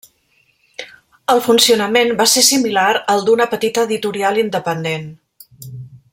El funcionament va ser similar al d'una petita editorial independent.